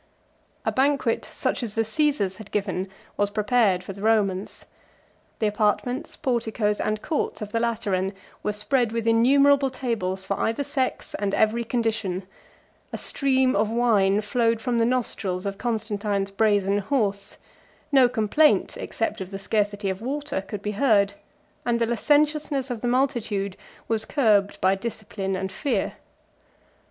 A banquet, such as the Cæsars had given, was prepared for the Romans. The apartments, porticos, and courts of the Lateran were spread with innumerable tables for either sex, and every condition; a stream of wine flowed from the nostrils of Constantine's brazen horse; no complaint, except of the scarcity of water, could be heard; and the licentiousness of the multitude was curbed by discipline and fear.